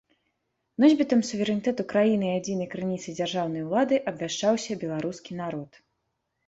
Носьбітам суверэнітэту краіны і адзінай крыніцай дзяржаўнай улады абвяшчаўся беларускі народ.